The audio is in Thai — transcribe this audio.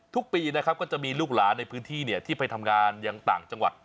ทุกปีนะครับก็จะมีลูกหลานในพื้นที่ที่ไปทำงานยังต่างจังหวัด